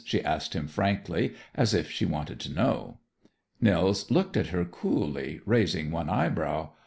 she asked him frankly, as if she wanted to know. Nils looked at her coolly, raising one eyebrow.